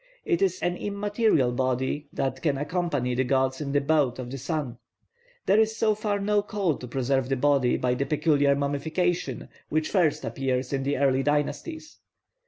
It is an immaterial body that can accompany the gods in the boat of the sun. There is so far no call to conserve the body by the peculiar mummification which first appears in the early dynasties.